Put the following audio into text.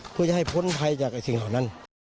เพื่อจะให้พ้นภัยจากสิ่งเหล่านั้น